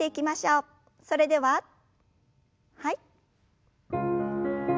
それでははい。